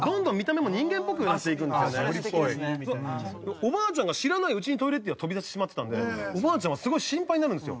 おばあちゃんが知らないうちにトイレッティは飛び出してしまってたんでおばあちゃんはすごい心配になるんですよ。